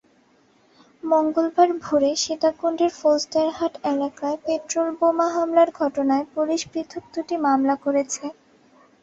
মঙ্গলবার ভোরে সীতাকুণ্ডের ফৌজদারহাট এলাকায় পেট্রলবোমা হামলার ঘটনায় পুলিশ পৃথক দুটি মামলা করেছে।